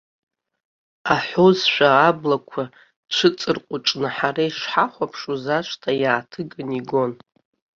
Аҳәозшәа аблақәа цәыҵырҟәыҿны ҳара ишҳахәаԥшуаз ашҭа иааҭыганы игон.